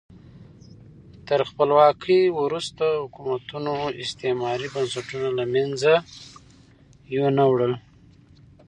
تر خپلواکۍ وروسته حکومتونو استعماري بنسټونه له منځه یو نه وړل.